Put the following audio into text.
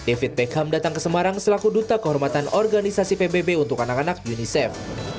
david beckham datang ke semarang selaku duta kehormatan organisasi pbb untuk anak anak unicef